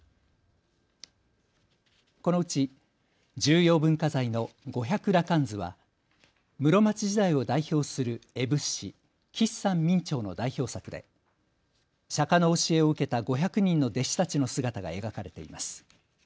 このうち重要文化財の五百羅漢図は室町時代を代表する絵仏師、吉山明兆の代表作で釈迦の教えを受けた５００人の弟子たちの姿が描かれています。